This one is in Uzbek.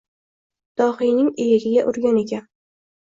Dohiyning iyagiga urgan ekan.